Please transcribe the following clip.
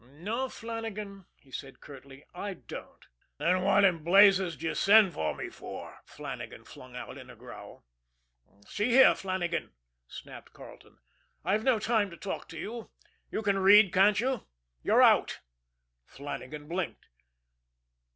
"No, Flannagan," he said curtly. "I don't." "Then what in blazes d'ye send for me for?" Flannagan flung out in a growl. "See here, Flannagan," snapped Carleton, "I've no time to talk to you. You can read, can't you? You're out!" Flannagan blinked.